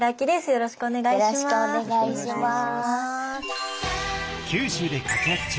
よろしくお願いします。